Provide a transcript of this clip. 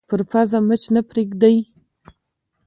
پر پزه مچ نه پرېږدي